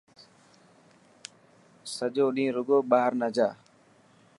سچو ڏينهن رڳو ٻاهر نه جا.